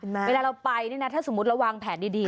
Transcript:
เวลาเราไปเนี่ยนะถ้าสมมุติเราวางแผนดี